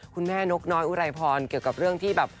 คุณแม่นกน้อยอุไรพรเกี่ยวกับเรื่องที่แบบ